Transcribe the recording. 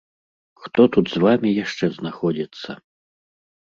Хто тут з вамі яшчэ знаходзіцца?